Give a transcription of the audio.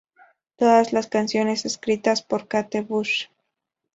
Todas las canciones escritas por Kate Bush.